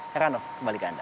herr ranoff kembali ke anda